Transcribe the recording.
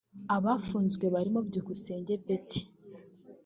Abafunzwe barimo Byukusenge Betty